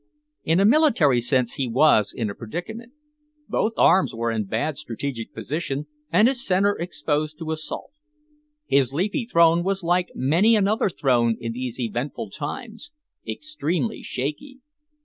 In a military sense he was in a predicament; both arms were in bad strategic position and his center exposed to assault. His leafy throne was like many another throne in these eventful times—extremely shaky.